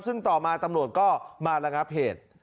ซึ่งต่อมาตำรวจก็มาระงับเหตุ